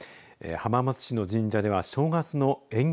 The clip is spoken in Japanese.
浜松市の神社では正月の縁起